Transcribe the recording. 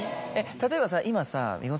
例えばさ今さ。